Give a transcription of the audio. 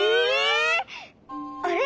あれ？